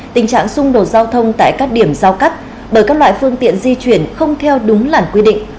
tình trạng xung đột giao thông tại các điểm giao cắt bởi các loại phương tiện di chuyển không theo đúng làn quy định